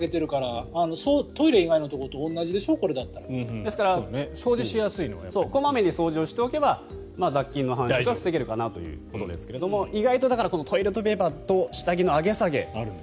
ですから小まめに掃除をしておけば雑菌の繁殖は防げるかなというところですが意外とトイレットペーパーと下着の上げ下げ。